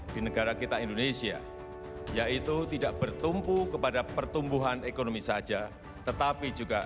di negara kita indonesia yaitu tidak bertumpu kepada pertumbuhan ekonomi saja tetapi juga